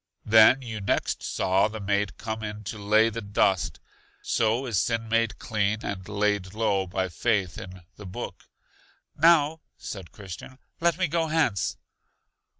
Then you next saw the maid come in to lay the dust; so is sin made clean and laid low by faith in The Book. Now, said Christian, let me go hence.